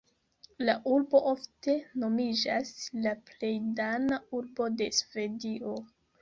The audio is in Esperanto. La urbo ofte nomiĝas "la plej dana urbo de Svedio".